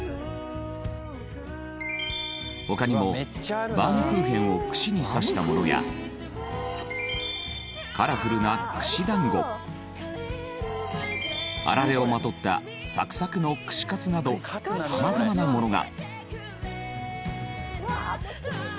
他にもバウムクーヘンを串に挿したものやカラフルな串団子あられをまとったサクサクの串カツなどさまざまなものが。